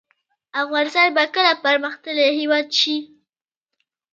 افغانستان به کله پرمختللی هیواد شي؟